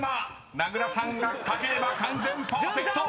［名倉さんが書ければ完全パーフェクト］